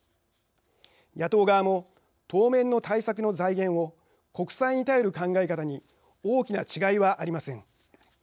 野党側も、当面の対策の財源を国債に頼る考え方に大きな違いはありません。